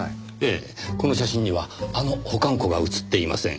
ええこの写真にはあの保管庫が写っていません。